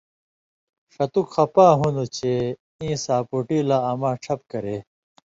ݜتک خپا ہُوندیۡ چے ایں ساپُوٹی لا اما چھپ کرے